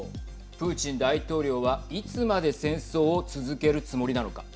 プーチン大統領はいつまで戦争を続けるつもりなのか。